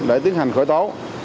để tiến hành khởi tố